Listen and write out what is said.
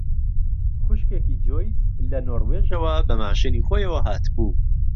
خوشکێکی جۆیس لە نۆروێژەوە بە ماشێنی خۆیەوە هاتبوو